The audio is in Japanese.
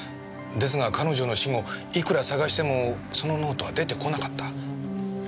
ですが彼女の死後いくら捜してもそのノートは出てこなかった。